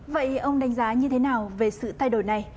vậy ông đánh giá như thế nào về sự thay đổi này